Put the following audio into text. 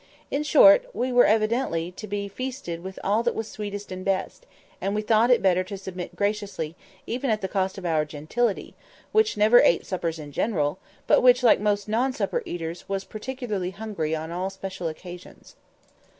In short, we were evidently to be feasted with all that was sweetest and best; and we thought it better to submit graciously, even at the cost of our gentility—which never ate suppers in general, but which, like most non supper eaters, was particularly hungry on all special occasions.